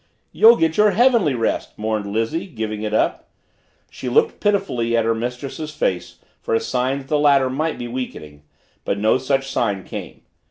"You'll get your heavenly rest!" mourned Lizzie, giving it up. She looked pitifully at her mistress's face for a sign that the latter might be weakening but no such sign came.